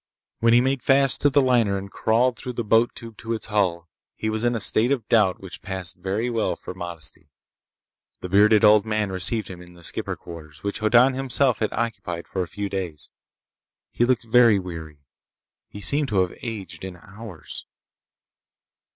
When he made fast to the liner and crawled through the boat tube to its hull, he was in a state of doubt which passed very well for modesty. The bearded old man received him in the skipper's quarters, which Hoddan himself had occupied for a few days. He looked very weary. He seemed to have aged, in hours.